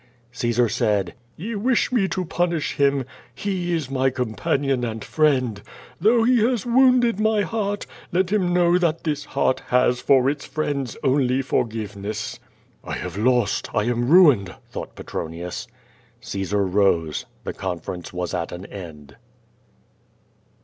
Caesar said: *'Ye wish me to punish him. He is my companion and friend. Though he lias wounded my heart, let him know that this heart has for its friends only forgiveness.'^ "I have lost! I am ruined!" thought Petronius. Caesar rose; the conference was at an end.